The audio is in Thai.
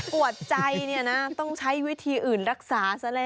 ปวดใจต้องใช้วิธีอื่นรักษาซะแล้ว